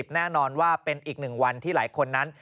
แน่นอนว่าเป็นอีกหนึ่งวันที่หลายคนนั้น